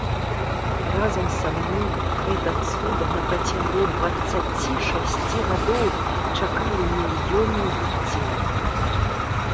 Разам са мною гэта цуда напрацягу дваццаці шасці гадоў чакалі мільёны людзей!